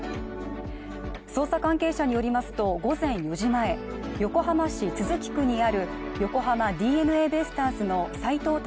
捜査関係者によりますと、午前４時前、横浜市都筑区にある横浜ＤｅＮＡベイスターズの斎藤隆